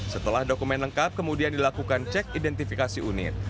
setelah dokumen lengkap kemudian dilakukan cek identifikasi unit